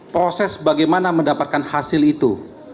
proses bagaimana mendapatkan hasil itu